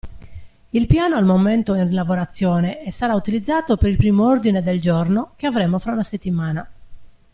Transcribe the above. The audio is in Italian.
Il piano al momento è in lavorazione e sarà utilizzato per il primo ordine del giorno che avremo fra una settimana.